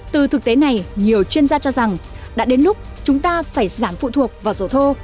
từ thực tế này nhiều chuyên gia cho rằng đã đến lúc chúng ta phải giảm phụ thuộc vào rổ thô